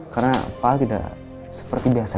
karena pak al tidak seperti biasa